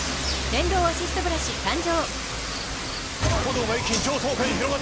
電動アシストブラシ誕生！